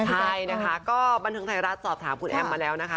ใช่นะคะก็บันเทิงไทยรัฐสอบถามคุณแอมมาแล้วนะคะ